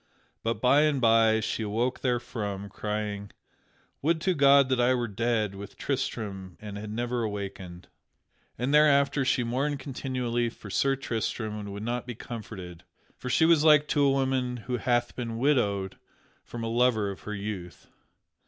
But by and by she awoke therefrom, crying, "Would to God that I were dead with Tristram and had never awakened!" And thereafter she mourned continually for Sir Tristram and would not be comforted; for she was like to a woman who hath been widowed from a lover of her youth.